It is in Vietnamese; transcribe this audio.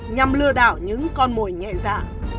nhằm lừa đảo những con mồi nhẹ dạ